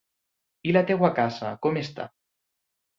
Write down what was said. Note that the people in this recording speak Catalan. I la teva casa, com està?